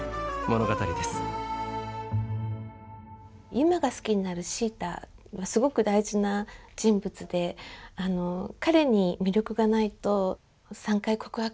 由舞が好きになる椎太はすごく大事な人物で彼に魅力がないと３回告白しないと思うんですよね。